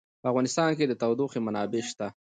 په افغانستان کې د تودوخه منابع شته.